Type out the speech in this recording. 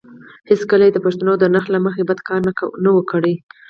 هېڅکله یې د پښتنو د نرخ له مخې بد کار نه وو کړی.